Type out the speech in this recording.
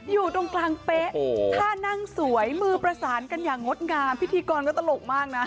อยู่ตรงกลางเป๊ะท่านั่งสวยมือประสานกันอย่างงดงามพิธีกรก็ตลกมากนะ